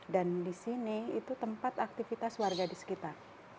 dan di sini itu tempat aktivitas warga di sekitar